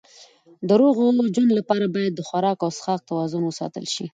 د روغ ژوند لپاره باید د خوراک او څښاک توازن وساتل شي.